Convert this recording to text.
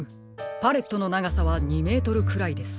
パレットのながさは２メートルくらいですか。